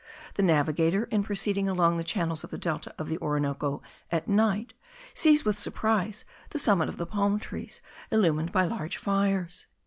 The navigator, in proceeding along the channels of the delta of the Orinoco at night, sees with surprise the summit of the palm trees illumined by large fires.